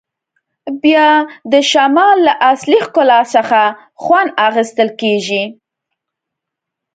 بیا د شمال له اصلي ښکلا څخه خوند اخیستل کیږي